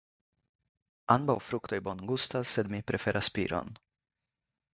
Ambaŭ fruktoj bongustas, sed mi preferas piron.